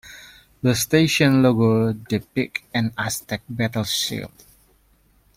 The station logo depicts an Aztec battle shield.